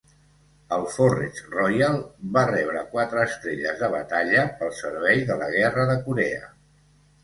El "Forrest Royal" va rebre quatre estrelles de batalla pel servei de la Guerra de Corea.